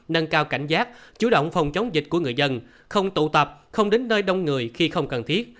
nâng cao cảnh giác chủ động phòng chống dịch của người dân không tụ tập không đến nơi đông người khi không cần thiết